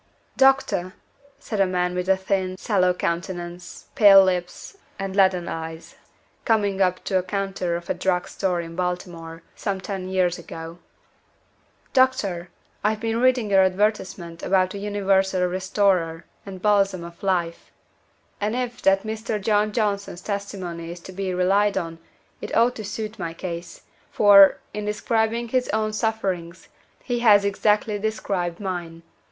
"DOCTOR," said a man with a thin, sallow countenance, pale lips, and leaden eyes, coming up to the counter of a drug store in Baltimore, some ten years ago "Doctor, I've been reading your advertisement about the 'UNIVERSAL RESTORER, AND BALSAM OF LIFE,' and if that Mr. John Johnson's testimony is to be relied on, it ought to suit my case, for, in describing his own sufferings, he has exactly described mine.